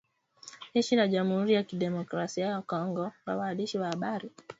jeshi la jamhuri ya kidemokrasia ya Kongo kwa waandishi wa habari